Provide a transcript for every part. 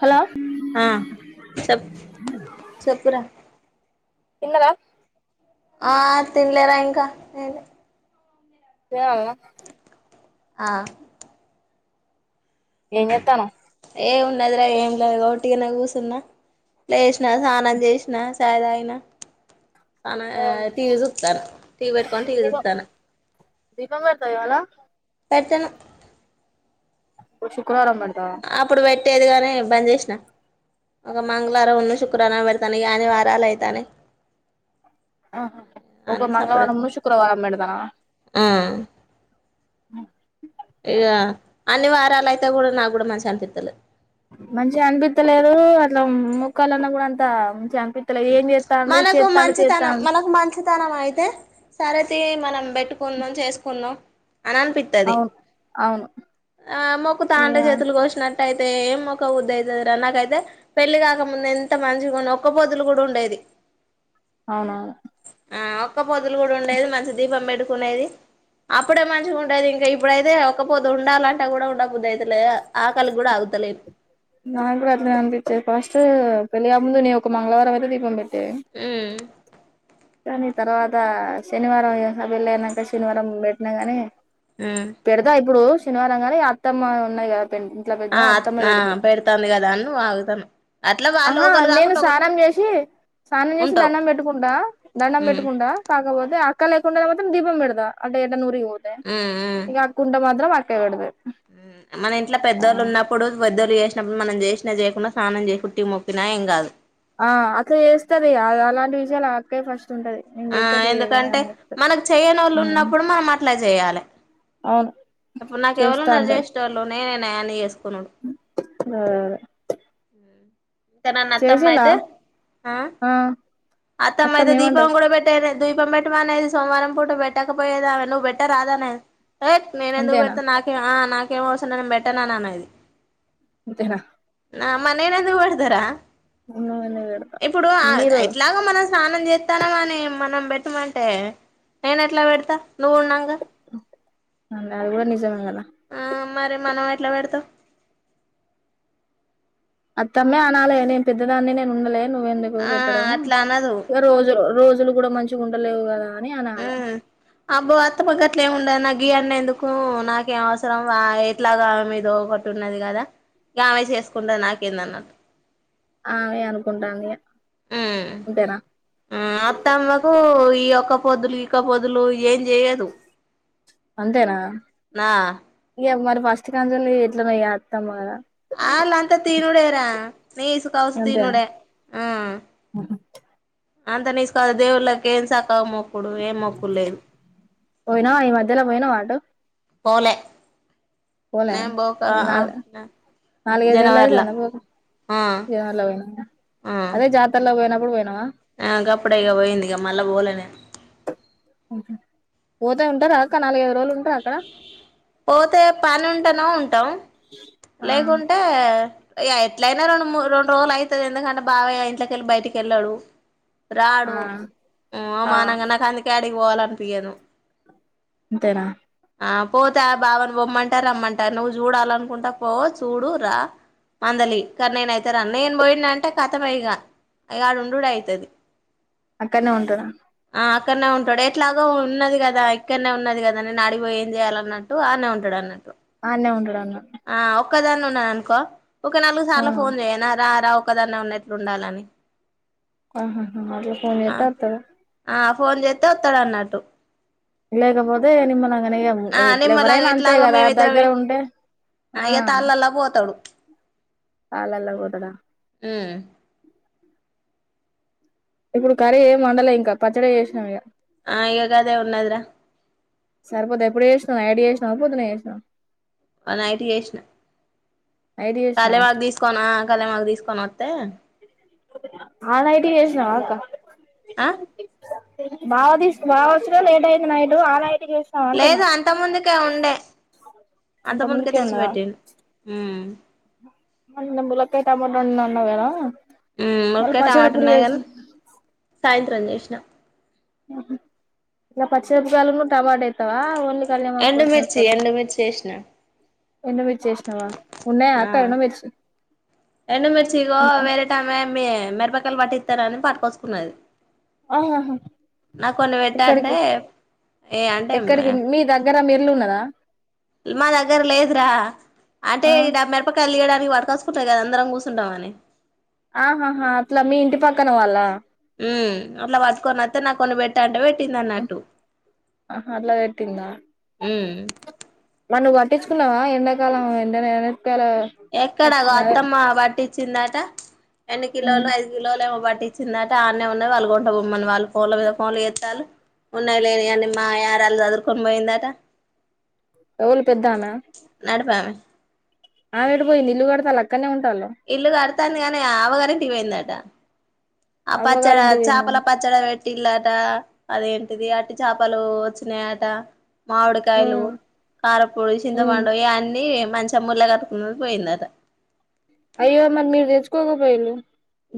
Hello ఆ చెప్ చెప్పురా తిన్నవ ఆ తినలేరా ఇంకా ఏలే తేవమ్మ ఆ ఏంజెత్తన్నావ్ ఏం ఉన్నదిరా ఏం లేదు గ ఒట్టిగనే కూసున్నా లేసినా స్నానం చేసిన చాయ్ తాగిన సానా ఏ టీ వి చూత్తన టీ వి పెట్టుకొని టీ వి దీపం చుత్తన దీపం బెడతావ్ ఇవాల పెట్టను ఒ శుక్రవారం పెడతావా ఆప్పుడు వెట్ ట్టేది గానీ బంద్ చేసిన ఒక మంగళవారం ఉన్న శుక్రవారం పెడతాను ఇగ అని వారాలైతన్నాయ్ ఆ హ ఒక మంగళవారంను శుక్రవారం పెడతన ఆ ఆ ఇగ అన్ని వారాలయితాయ్ గుడా నాకు కూడా మంచి అనిపిత్తలే మంచిగా అనిపిత్తలేదు అట్లా మొక్కలున్నా కూడా అంత మంచిగా అ మనకు మంచితనం మనకు మంచితనం అయితే సరే తీ మనం బెట్టుకుందం చేసుకున్నాం అని అనిపిత్తది అవును అవును ఆ మొక్కు తాంటే ఇగ చేతులు కోసినట్ ట్టయితే ఏం మొక్కబుద్దయితదిరా నాకైతే పెళ్లి కాక ముందు ఎంత మంచిగున్న ఒక్కపోద్ కూడా [unintelligible] ఉండేది అవునా ఆ ఒక్కపొద్దులు కూడా ఉండేది మంచి దీపం పెడు కునేది అప్పుడే మంచిగా ఉండేది ఇంకా ఇప్పుడైతే ఒకపొద్దు ఉండాలంటే కూడా ఉండ బుద్ది అయితలేదు ఆకలి కూడా ఆగుతలేదు నా కూడా అట్లనే అనిపిించేది ఫస్ట్ పెళ్లి కాకముందు నేను ఒక మంగళవారం దీపం పెడ్ టే ఉమ్ కానీ తర్వాత శనివారం [unintelligible] వెళ్ళేయినాక శనివారం పెట్టినా గాని ఉమ్ పెడదా ఇబ్బుడు సెనివారం గానీ అత్తమ్మ ఉన్నయిగా టన్ ఇంట్లో పెద్ద ఆ అత్తమ్మ ఆ పెడుతారు పెడుతాంది కదా అని నువ్వు ఆగుతానవ్ అట్లా వాళ్ళు ఆహా ఒకలు నేను కాకుండా ఒకలు స్నానం చేసి స్నానం చేసి ఉంటావ్ దండం పెట్టుకుంటా దండం మ్మ్ పెట్టుకుంటా కాకపో దే అక్క లేకుండనపోతే దీపం పెడతా అటే ఎటన్నా ఊరికి ఇంగ అక్కుంటే మాత్రం [inaudible] ఎవడు బె ఊ మనింట్లో పెద్దోళ్లున్నప్పుడు పెద్దోళ్ళు చే చం మనం జేసినా జేయకున్నా స్నానం జేసి కుట్టి మొక్కినా ఏం కాదు ఆ అట్లా చేస్తది అది అలాంటి విషయాలు ఆ అక్కే ఫస్ట్ ఉంటది నేను ఆ చేత్త తీ ఎందుకంటే అని చెప్తది మనకు ఉమ్ చెయ్యనోళ్ళున్నప్పుడు మనం అట్లా జేయాలె అవును ఇప్పు నాకు చేస్తా ఎవలున్నారు అంటది జేష్టోళ్లు నేనే యాని ఏస్ పలడు ఆ త్తనాన్న అత్తమ్మ అయితే ఆ అత్తమ్మ అయితే దీపం కూడా బెట్టేదె ద్వీపం పెట్టమనేది సోమవారం పూట పెట్టకపోయేది ఆమె నువ్వు బెట్ట రాదానే ఏయ్ నేనెందుకు అంతేనా పెడుత నాకే నా న ఏమో అసనన్ బెట్టనన్న నేను అంతేనా నా మనందు జరా ఉన్నవన్నీ పెడతా ఇప్పుడు మీరు ఎట్లాగా మన స్నానం చేత్తానవనె మనం పెట్టమంటే అ అది కూడా నిజమ ఆ మరి మనం ఎట్లా పెడతాం అత్తమ్మే అనాల న పెద్దదాే నేను ఉండలే నువ్వ ఎందుకు ఆ పెట్టడం అట్లా అనదు ఇ రోజు రోజు కూడా [unintelligible] మంచిగా ఉండలేవు కదా అని అనాలే అబ్బో అత్త గట్ల ఎం ఉండ గివన్ని ఎందుకు నాకేం అవసరం ఎట్లాగామె మీద ఒకటి ఉన్నది కదా ఇంక ఆమెే చేసుకుంటది నాకేందన్నట్టు అమెే అనుకుంటాంది ఇగ హ్మ్ అంతేనా అత్తమ్మకు ఈయ ఒక్క పొద్దులు ఇక పొద్దులు ఏం చెయ్యదు అంతేనా మ [unintelligible] మస్తతికాంజలు [unintelligible] ఎట్లనేఎంతం కదా అలా అంత తనుడేరా నీ నిసు కవస అంతేనా తనుడే హ్మ్ అంత నిస్కద దేవులకిే సా ఇక్కవ [unintelligible] మొకుడు ఏ మొక్కు లేదు పోయినా ఈ మధ్యలో పోయినవ అటు పోలేె పోలే నాలు నాలుగు ఐదు నెలలు జనవరిలా అయితండా పోక ఆ ఆ అదే జాతరలోనా పోయి ఇప్పుడు పోయినావా ఆ గాపుడేగా పోయింది ఇగ మళ్ళా పోలేనేను పోతేా ఉంటారా అక నాలుగు ఐ పోతే పని ఉంటానో ఉంటాం ఆ లేకుంటే ఎట్లయినా రెండు ము రెండు రోజులు అవుతుది ఎందుకంటే బాబయ్య ఇట్లకెళ్ళి బయటికి వెళ్ళాడు ఆ రాడు ఆ మానాంగా నాకుంది కడికి పోవల అప్పయను అంతేన ఆ పోతే ఆ బావని బమ్మంటారు రమ్మంటారు నువ్వు చూడాలనుకుంటా పో చూడు రా మందలి ఇ కానీ నేన అైతే రా నేను పోయిన అంటే కథంయగా అ ఆడు ఉండుడె అయితది అక్కడనే ఉంటడా ఆ అక్కడనే ఉంటాడు ఎట్లాగ ఉన్నది కదా ఇక్కడనే ఉన్నది కదా నేను అడిగిపోయి ఏం చేయాలన్నట్టు ఆనే ఉంటాడు అన్నట్టు ఆడానే ఉంటాడా ఆ ఓ ఒక్కదాన్నే ఉన్నా అనుకో ఒక నాలుగు సార్లు ఆ ఫోన్ చేయనా రా రా ఒక్కదన్న ఉన్నట్లు ఉండాలని ఆహా మలు ఫోన్ ఎతా ఆ ఫోన్ చేస్తే వస్తాడు అన్నట్టు లేకపోతే నిమ్ నా మన ఆ ఏవ్వ ఎట్ల నిమ్మలాగా ఎవ్వరైనా అంతే ఎట్లాగో కదా మేమిద్దరం దగ్గర ఉంటే ఆ ఇగ తాళ్ళలా పోతాడు రాళ్ళలో పోతడా ఉమ్ ఇప్పుడు కర్రీ ఏం వండలే ఇంకా పచ్చడి చేసినాం ఇగా ఆ ఇక్కడే ఉన్నదిరా సరిపోతే ఎప్పుడు చేసినాం నైట్ చేసినావ అ పొద్దున చేసినావ ఆ నైట్ చేశినా నైట్ చేసినవా కళమాగ్ తీసుకోనా కళమాగ్ తీసుకో కొనోతే ఆ నైటి వసినవా అక్క ఆ బావతీసు బావచ్చుడే లేట్ అయింది నైట్ ఆ నైట్ చేసినవా లేదు అంటున్నా అంత ముందుకే ఉండే అంత ముందుకే తెచ్చి పెట్టింది హ్మ్ ములకై తమం అన్నావుకదా మ్ మురకాయ టమాట ఉన్నాది కదు సాయంత్రం చేసి జ ముహు ఇంకా పచ్చిమేరపకాయలును టమాట ఎత్తవా ఓన్లీ కళ్యామకు ఎండుమిర్చి పచ్చమీరపకాయలు ఏ నా ఎండుమిర్చి చేసిన ఎండు మిర్చి ఎసినవ ఆ ఎండుమిర్చి ఇగో వేరే టీ మీ మెరపకాయలు పట్టి ఇస్తార అని పట్టుకొ ఉన్నది ఆహాహా పెట్టు ఇక్కడికి అంటే ఏ అంటే ఎక్కడికి మీ దగ్గర మీరు ఇల్లు ఉన్నదా మా దగ్గర లేదురా అంటే ఆ ఈడ మెరపకాయలు తీయడ పడకాసుకుంటాయి కద అందరం కూసుంటాం అని ఆహాహా అట్ల మీ ఇంటి పక్కన వాళ్ళ హు అట్ల పత్తుకొని వత్తె నా కొన్ని పెట్టంటే పెట్ మ్ ఆహా అట్ల పెట్టిందా ఉమ్ మరి నువ్వు పట్టించుకున్నావా ఎండాకాలం ఎండా ఎక్కడ అగొ అత్తమ్మ బట్టిచిందట ఎండు కిలోలు ఉమ్ ఐదు కిలోలు ఏమో బట్టి ఇచ్చిందట ఆడ్నే ఉన్నది వాళ్ళ గుంట బమ్మని వాళ్లు ఫోన్ల మీద ఫోన్లు చేత్తలు ఉన్నాయిలేని అన్ని మా యా రాలు చదురుకొని పోయిందట ఎవలు పెద్దామా నడిపామె ఆమె ఎటు పోయింది ఇల్లు కొడతాల అక్కనె ఉం ఇల్లు గారతంది గని ఆవగని టి వైందట ఆ పచ్చడ అవ్వగారింటికి చాపల పోయిందనా పచ్చడ వెట్టిలట అదిం అది అట్టి చేపలు వచ్చినయట మామిడికాయలు ఉమ్ కారపూడి ఉమ్ చింతపండు ఇయన్నీ మంచి అమొల్లె కాటున్నది పోయిందట అయ్యో మరి మీరు తెచ్చుకోకపోయిళ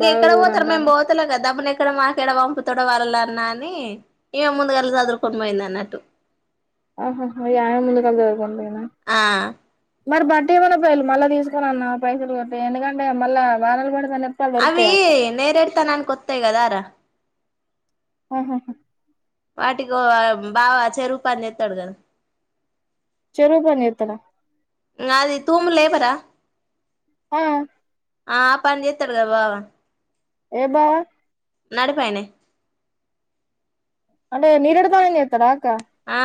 ఇ ఎక్కడ పోతారు మేం పోతలె కదాబ ఇక్కడ మాకెడ పంపుతడో వరలన్నా అనీ ఇగ ముందుగనె ఇల్లు సదురుకొని పోయిందన్నట్టు ఆహాహ యన ముందుగాల సరుదుకొని పొయ్న ఆ మరి బట్టి ఏమైనా పోయాలి మల్ల తీసుకోర అన్న పైసలు కట్టి ఎందుకంటె మల్ల వానలు పడి అవీ నేరేడుతనానికి ఒత్తయ్ గదార ఆహహ వాటికు బావా చెరువు పని చెత్తడు గదా చెరు పని చెత్తడ పరా ఆ ఆ పని చేస్తాడు కదా బావ ఏ బావ నడిపోయనే అంటే నీరిడు తానిని చెతార ఆ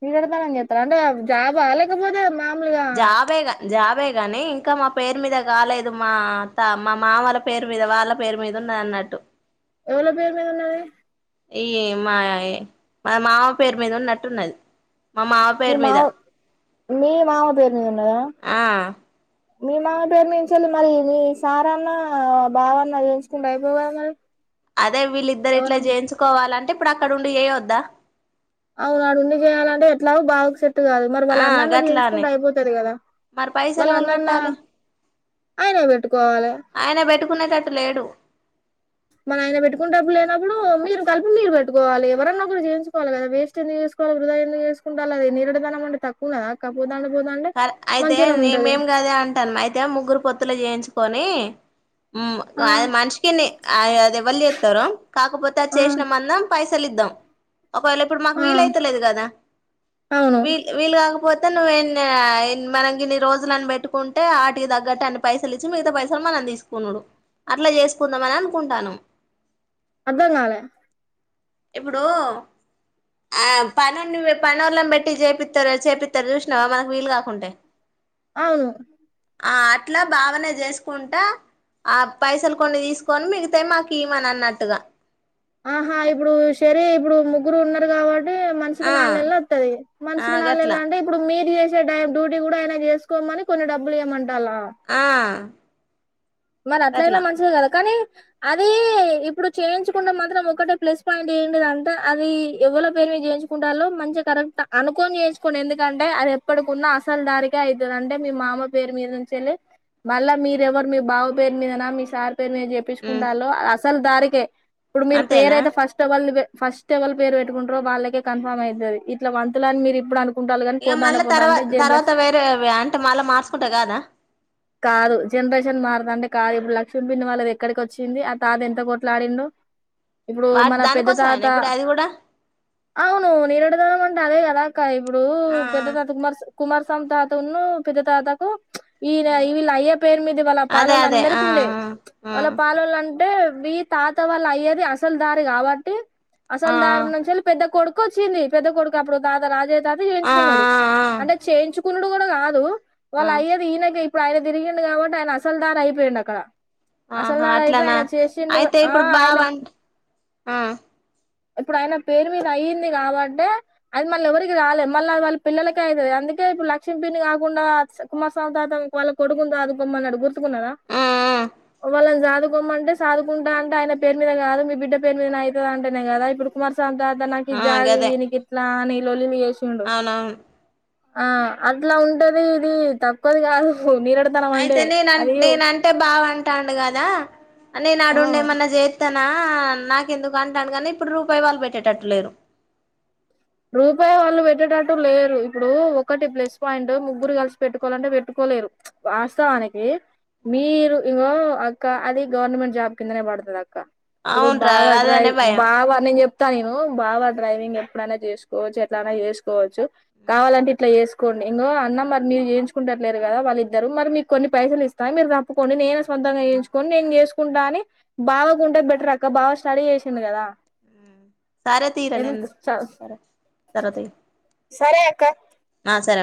[unintelligible] అంటే జాబ్ా లేకపోతే మామూలుగా జా బేగా జా బే కాని ఇంకా మా పేరు మీద కాలేదు మా త మా మామల పేరు మీద వాళ్ళ పేరు మీద ఉన్న అన్నట్టు ఎవల పేరు మీద ఉన్నాది ఈ మా మా మామ పేరు మీద ఉన్నట్టున్నది మా మావ మీ పేరు మీద మావ మీ మామ పే ఉన్నదా ఆ మీ మామ పేరు నుంచిళ్ళి మరి నీ సార అన్నా బావన్న చేేయించుకుంటే అయిపోయి కదా మరి అదే వీళ్ళిద్దరు ఇట్ల ఎవరన్నా జేయించుకోవాలంటే ఇప్పుడక్కడున్డి ఏయోద్దా అవునాడుండి జేయాలంటే ఎట్లాగో బాగు సెట్ త్తు గాదు మరి ఆ వాళ్ళన్నన్న గట్లానే జీయించుకుంటె అయిపోతాది గదా మరి పైసలు ఎవలు వాళ్ళన్నన్న పెట్టాలి ఆయనే వెట్టుకోవాలే ఆయన పెట్టుకునేటట్టు లేడు మనాయన పెట్టుకుంటప్పు లేనప్పుడు మీరు కలిపు మీరు పెట్టుకోవాలి ఎవరన్నా ఒకరు జేయించుకోవాలె గదా వేస్ట్ ఎందు జేసుగోవాల వృధా ఎందుకు జేసుకుంటాళ్ళు అది నీరెడిధనం ఉండి తక్కువ కద కాపోతే దాం [unintelligible] అయితే నేమేం గదే అంటాను అయితే ముగ్గురు పొత్తులో జేయించుకొని మ్మ్ ఆ ఆద్ మనిషికిన్ని ఆయ్ అదెవ్వళ్ళు జేత్తారు కాకపోతే అది ఆ చేసిన మందం పైసలిద్దాం ఒకవేళ ఇప్పుడు మాకు ఆ వీలయితలేదు కదా అవును వీ వీలు కాకపోత్ త నువ్వే న్ ఆయన్ మనం గిన్ని రోజులన్ బెట్టుకుంటే ఆటికి తగ్గట్టు అన్ని పైసలిచ్చి మిగతా పైసలు మనం తీసుకునుడు అట్లా చేసుకుందాం అని అనుకుంటాన్నాం. అర్ధం గాల ఇప్పుడు ఆ పనోన్ని వే పనోళ్ళలన్ బెట్టి జేపిత్తారు చేపిత్తరు చూసినావా మనకు వీలు గాకుంటే అవును ఆ అట్లా బావనే చేసుకుంటా ఆ పైసలు కొన్ని తీసుకొని మిగితా మాకీయమని అన్నన్నట్టుగా ఆహా ఇప్పుడు సరే ఇప్పుడు ముగ్గురు ఉన్నారు కావడ్ టే మన్షికి ఆ నాల్ నాల్ నెల్లొత్తది ఆ మన్షికీ నాల్ గట్లా నెల్లంటే ఇప్పుడు మీర్ జేస్ జే డయబ్ డ్యూటీ గుడా ఆయన జేస్కోమని కొన్ని డబ్బులు ఇయమన్ ఆ మరట్లయినా గట్లా మంచిదే కదా కనీ అది ఇప్పుడు చేయించుకుంటే మాత్రం ఒకటే ప్లస్ పాయింట్ ఏంటిదంట అది ఎవల పేరు మీద జేయించుకుంటాళ్ళు మంచిగా కరెక్ట్ అనుకోని జేయించుకోని ఎందుకంటే అదెప్పడికున్నా అసల్ దానికే ఐతది అంటే మీ మామ పేరు మీద నుంచెల్లి మళ్ళా మీరెవరు మీ బావ పేరు మీదనా మీ సార్ పేర్ మీద ఉమ్ జెప్పిచుకుంటాల్లో ఆస్ తల్ దారికే ఇప్పుడు మీర్ అంతేనా పేరయితే ఫస్టవళ్ళవే ఫస్ట్ ఎవల్ పేరు పెట్టుకుంటరో వాళ్ళకే కన్ఫర్మ్ అయితాది ఇట్లా వంతులని మీరీప్పుడు అను ఇగ మళ్ళీ తర్వా తర్వాత వేరే అంటే మళ్ళా మార్సుకుంటే కాదా అదిప్పుడు లక్ష్యం పిన్ని వాళ్ళదెక్కడికొచ్చింది ఆ తాత ఎంత కోట్లాడిండు ఇప్పుడు వా మన పెద్ద తాత దానికోసమేనా ఇప్పుడు అది కూడా అవును నీరుడుదనం అంటే అదే గదా క ఇప్పుడు ఆ పెద్ద తాత కుమార్స్ కుమార్స్ సంతాతున్ను పెద్దతాతకు ఈ రై వీలయ్య పేరు మీద వాళ్ళ అదే పాలోలన్ అదే ఆ దరకుండే ఆ వాళ్ళ పాలొలన్ అంటే మీ తాత వాళ్ళ అయ్యది అసలు దారి కాబట్టి ఆ ఆ అసలు దారునున్చల్ పెద్ద కొడుక్ కొచ్చింది పెద్ద కొడుకు అప్పుడు తాత రాజే తాతే ఆ ఆ జేయించుకున్నాడు అంటే చేయించు కునుడు కూడా కాదు ఆ వాళ్ళ అయ్యది ఈనగి ఇప్పుడాయన తిరిగిండు కాబట్టి ఆయన అసలుదారి ఐ వెనాక్కడ ఆహా అట్లానా అయితే ఆ ఇప్పుడు ఆయన బావంట్ ఆ ఇప్పుడు ఆయన పేరు మీద అయ్యింది కాబట్టే అది మళ్ళీ ఎవరికి రాలేదు మళ్ళా వాళ్ళ పిల్లలకే అయితది అందుకే ఇప్పుడు లక్ష్యం పిన్ని కాకుండా కుమారస్వామి తాత వాళ్ళ కొడుకును సాధు పోమ్మన్నాడు గుర్తుకున్నాడా ఆ వాళ్ళని సాదుకోమంటే సాదుకుంటా అంటే ఆయన పేరు మీద కాదు మీ బిడ్డ పేరు మీద ఐతాది అంటేనే కాదా ఇప్పుడు కుమార్ దాని తర్వాత నాకు ఈ ఆ జాగ గదే ఇయి నీకిట్లా అని లోలిమి చే అవునవును ఆ అట్లా ఉంటాది ఇది తక్కువది కాదు నిరేడతనం అంటే అదయో బావ అంటానుడు కదా అనే ఆ నాడుండే ఏమన్నా చేతా నా నాకేందుకు అంటాండు కానీ ఇప్పుడు రూపాయి వాళ్ళు పెట్టేటట్టు లేరు రూపాయి వాళ్ళు పెట్టేటట్టు లేరు ఇప్పుడు ఒకటి ప్లస్ పాయింటు ముగ్గురు కలిసి పెట్టుకోవాలంటే పెట్టుకోలేరు వాస్తవానికి మీరు ఇంగో అక్క అది గవర్నమెంట్ జాబ్ కిందనే పడతది అక్క ఇప్పుడు అవునురా బావ అదనే డ్రైవ్ భయం బావ నేంచేప్ తగిన బావ డ్రైవింగ్ ఎప్ మేనేట్ చేసుకోవచ్చు ఎట్లాన చేసుకోవచ్చు కావాలంటే ఇట్లా చేసు కోండి ఇంగో అన్న మరి చేయించుకుంటున్నారు కద వాళ్ళ ఇద్దరు మరి మీకు కొన్ని పైసలు ఇస్తాయి మీరు తప్పుకోండి నేను సొంతంగా చేంచుకని నేను చేసు కుంటా అని బాగాకుంటే బెటర్ అక్క బాగా స్టడీ చేసింది కదా సరే తీరా ఎన్ నేను స తరవాతి సరే అక్క ఆ సర